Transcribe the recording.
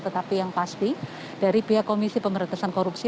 tetapi yang pasti dari pihak komisi pemerintahan korupsi